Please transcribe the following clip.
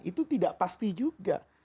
itu tidak pasti juga